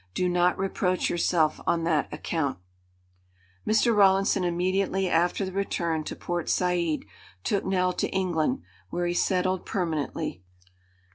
Do not reproach yourself on that account." Mr. Rawlinson immediately after the return to Port Said took Nell to England, where he settled permanently.